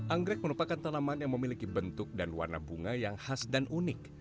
anggrek merupakan tanaman yang memiliki bentuk dan warna bunga yang khas dan unik